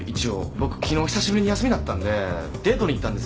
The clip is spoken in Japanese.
僕昨日久しぶりに休みだったんでデートに行ったんですよ。